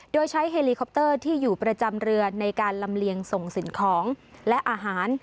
โดยใช้เฮลิคอปเตอร์ที่อยู่ประจำเรือในการลำเลียงส่งสิ่งของและอาหาร